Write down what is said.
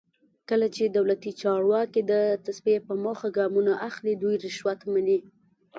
کله چې دولتي چارواکي د تصفیې په موخه ګامونه اخلي دوی رشوت مني.